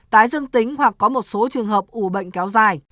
tái dương tính hoặc có một số trường hợp ủ bệnh kéo dài